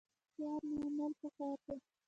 شعار نه عمل پکار دی